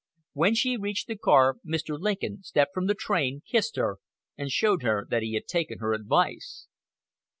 When she reached the car Mr. Lincoln stepped from the train, kissed her, and showed her that he had taken her advice.